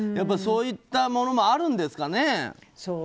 そういったものもあるんですかね。